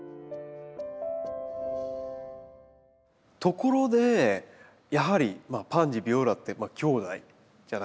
ところでやはりパンジービオラってきょうだいじゃないですか。